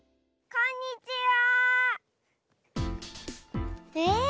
こんにちは。